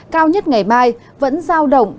cao nhất ngày mai vẫn giao động